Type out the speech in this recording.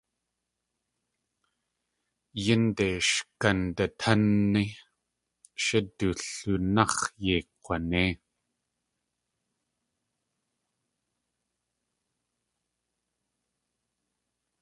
Yínde sh kandatánni shí du lúnáx̲ yéi kg̲wanéi.